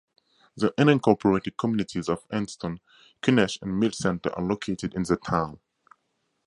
The unincorporated communities of Anston, Kunesh, and Mill Center are located in the town.